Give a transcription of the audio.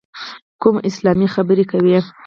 کوم اسلامه خبرې کوې.